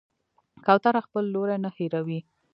کوتره خپل لوری نه هېروي.